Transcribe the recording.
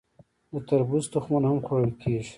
د تربوز تخمونه هم خوړل کیږي.